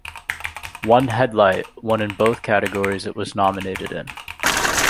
"One Headlight" won in both categories it was nominated in.